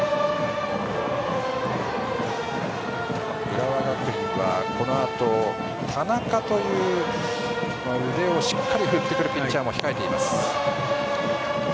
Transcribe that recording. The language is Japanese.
浦和学院は、このあと田中という腕をしっかり振ってくるピッチャーも控えています。